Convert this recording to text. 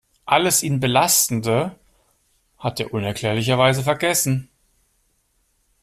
Alles ihn belastende hat er unerklärlicherweise vergessen.